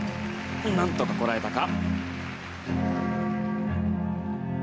なんとかこらえたか。